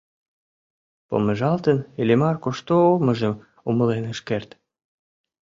Помыжалтын, Иллимар кушто улмыжым умылен ыш керт.